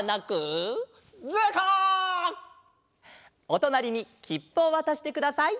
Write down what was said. おとなりにきっぷをわたしてください。